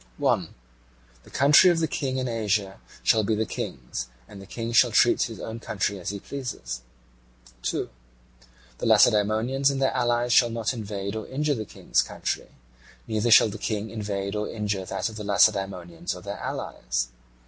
1. The country of the King in Asia shall be the King's, and the King shall treat his own country as he pleases. 2. The Lacedaemonians and their allies shall not invade or injure the King's country: neither shall the King invade or injure that of the Lacedaemonians or of their allies.